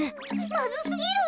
まずすぎる。